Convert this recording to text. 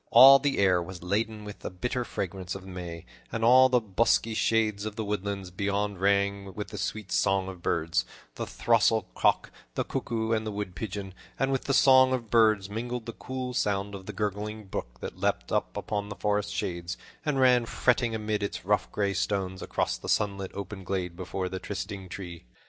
All the air was laden with the bitter fragrance of the May, and all the bosky shades of the woodlands beyond rang with the sweet song of birds the throstle cock, the cuckoo, and the wood pigeon and with the song of birds mingled the cool sound of the gurgling brook that leaped out of the forest shades, and ran fretting amid its rough, gray stones across the sunlit open glade before the trysting tree.